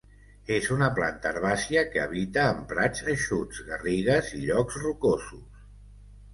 És una planta herbàcia que habita en prats eixuts, garrigues i llocs rocosos.